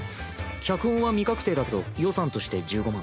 脚本は未確定だけど予算として１５万。